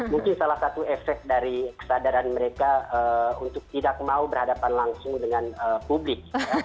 mungkin salah satu efek dari kesadaran mereka untuk tidak mau berhadapan langsung dengan publik